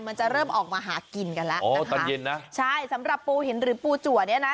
มันจะเริ่มออกมาหากินกันแล้วอ๋อตอนเย็นนะใช่สำหรับปูหินหรือปูจัวเนี่ยนะ